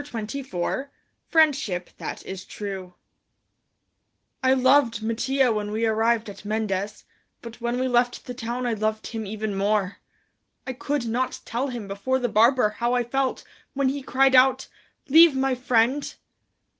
CHAPTER XXIV FRIENDSHIP THAT IS TRUE I loved Mattia when we arrived at Mendes, but when we left the town I loved him even more. I could not tell him before the barber how I felt when he cried out: "Leave my friend!"